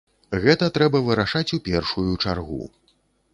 Гэта трэба вырашаць у першую чаргу.